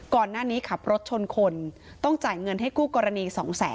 ก่อนหน้านี้ขับรถชนคนต้องจ่ายเงินให้คู่กรณี๒แสน